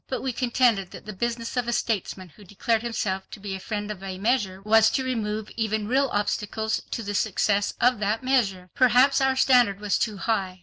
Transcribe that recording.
But we contended that the business of a statesman who declared himself to be a friend of a measure was to remove even real obstacles to the success of that measure. Perhaps our standard was too high.